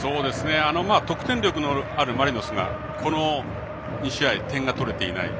得点力のあるマリノスがこの２試合、点が取れていない。